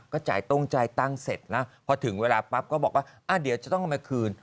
ก็จ่ายตรงจ่ายตังค์เสร็จนะพอถึงเวลาปั๊บก็บอกว่าเดี๋ยวจะต้องเอามาคืน